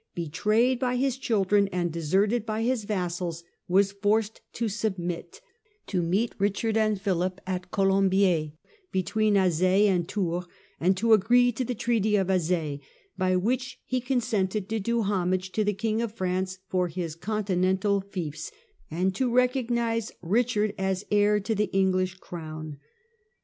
betrayed by his children and deserted by his vassals, was forced to submit, to meet Ptichard and Philip at Colombiers, between Azai and Tours, and to agree to the Treaty of Azai, by which he consented to do homage to the King of France for his continental fiefs, and to recognize Eichard as heir to the English crown.